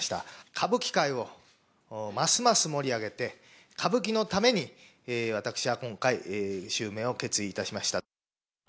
歌舞伎界をますます盛り上げて、歌舞伎のために、私は今回、襲名を決意いたしました。